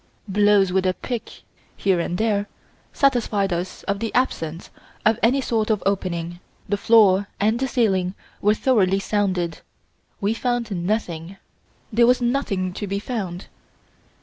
Blows with a pick, here and there, satisfied us of the absence of any sort of opening. The floor and the ceiling were thoroughly sounded. We found nothing. There was nothing to be found.